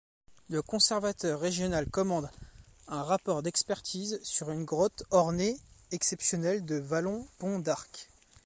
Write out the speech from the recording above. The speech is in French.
Le conservateur régional commande un rapport d'expertise sur une grotte ornée exceptionnelle de Vallon-Pont-d'Arc.